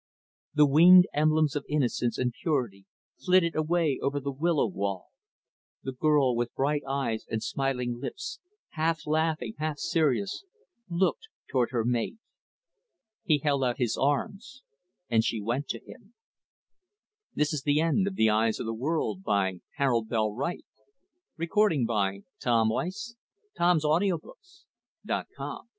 The winged emblems of innocence and purity flitted away over the willow wall. The girl, with bright eyes and smiling lips half laughing, half serious looked toward her mate. He held out his arms and she went to him. The End End of Project Gutenberg's The Eyes of the World, by Harold Bell Wright END OF THIS PROJECT GUTENBERG EBOOK T